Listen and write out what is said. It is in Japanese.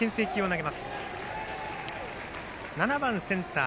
７番センター